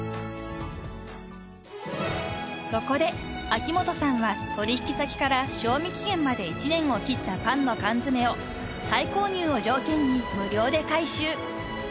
［そこで秋元さんは取引先から賞味期限まで１年を切ったパンの缶詰を再購入を条件に無料で回収］